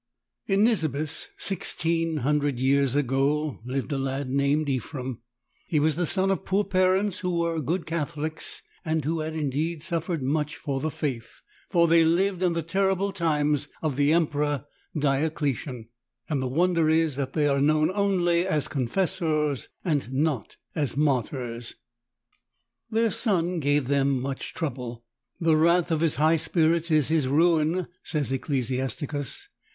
I N Nisibis, sixteen hundred years ago, lived a lad named Ephrem. He was the son of poor parents who were good Catholics and who had indeed suffered much for the Faith, for they lived in the terrible times of the Emperor Diocletian, and the wonder is that they are known only as confessors and not as martyrs. Their son gave them much trouble. "The wrath of his high spirits is his ruin," says Ecclesiasticus.